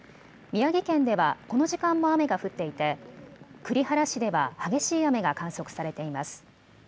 宮城県ではこの時間も雨が降っていて栗原市では激しい雨が観測されています。